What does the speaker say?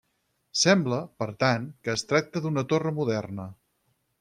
Sembla, per tant, que es tracta d'una torre moderna.